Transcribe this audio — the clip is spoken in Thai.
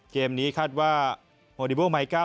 เกมนี้คาดว่าโฮดิบูร์มายก้า